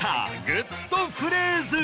グッとフレーズ」